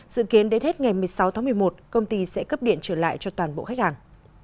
dự kiến đến hết ngày một mươi sáu tháng một mươi một công ty sẽ cấp điện trở lại cho toàn bộ khách hàng